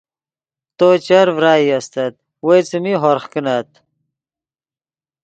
تو چر ڤرائی استت وئے څیمی ہورغ کینت